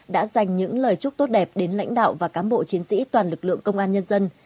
đã dành những lời chúc tốt đẹp đến lãnh đạo và cám bộ chiến sĩ toàn lực lượng công an nhân dân